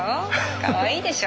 かわいいでしょ。